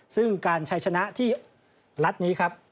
ซึ่งการใช้ชนะที่นัดนี้ครับ